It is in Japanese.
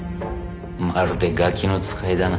まるでガキの使いだな